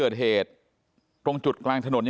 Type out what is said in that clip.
นายพิรายุนั่งอยู่ติดกันแบบนี้นะคะ